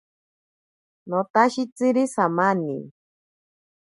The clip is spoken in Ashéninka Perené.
Notashitsiri samani.